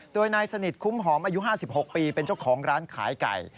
โดยนายสนิทคุ้มหอมอายุ๕๖ปีเป็นเจ้าของร้านขายไก่